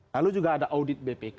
lalu juga ada audit bpk